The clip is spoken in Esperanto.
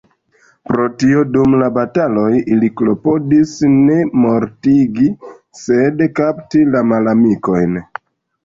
Pro tio dum bataloj ili klopodis ne mortigi, sed kapti la malamikojn.